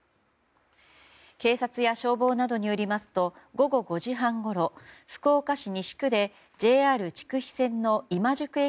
警察や消防などによりますと午後５時半ごろ福岡市西区でＪＲ筑肥線の今宿駅